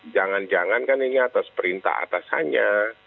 jangan jangan kan ini atas perintah atasannya